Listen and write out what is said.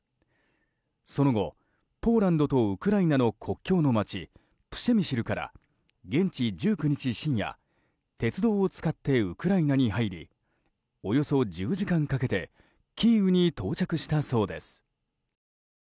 その後、ポーランドとウクライナの国境の街プシェミシルから現地１９日深夜鉄道を使ってウクライナに入りおよそ１０時間かけてキーウに到着したそうです。